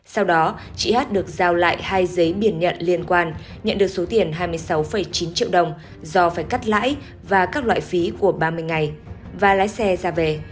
sau đó chị hát được giao lại hai giấy biển nhận liên quan nhận được số tiền hai mươi sáu chín triệu đồng do phải cắt lãi và các loại phí của ba mươi ngày và lái xe ra về